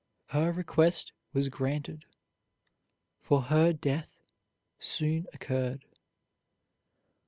Her request was granted, for her death soon occurred.